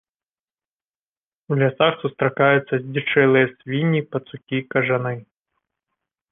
У лясах сустракаюцца здзічэлыя свінні, пацукі, кажаны.